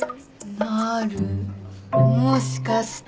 なるもしかして。